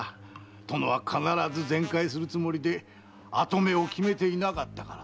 殿は必ず全快するつもりで跡目を決めていなかったからのう。